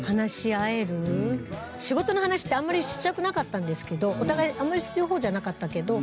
仕事の話ってあんまりしたくなかったんですけどお互いあんまりする方じゃなかったけど。